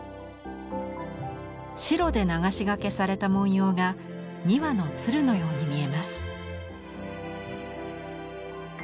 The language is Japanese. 白で流しがけされた文様が２羽の鶴のように見えます。